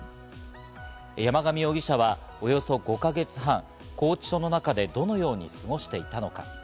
山上容疑者はおよそ５か月半、拘置所の中でどのように過ごしていたのか。